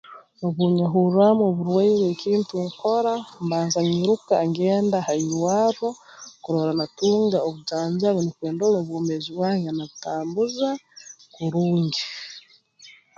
Obu nyehurraamu oburwaire ekintu nkora mbanza nyiruka ngenda ha irwarro kurora natunga obujanjabi nukwe ndole obwomeezi bwange nabutambuza kurungi